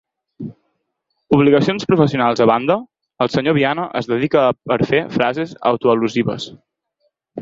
Obligacions professionals a banda, el senyor Viana es dedica a perfer frases autoal·lusives.